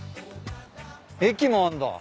駅もあんだ。